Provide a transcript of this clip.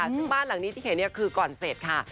ซึ่งบ้านหลังนี้ที่เห็นคือก่อนเสร็จค่ะ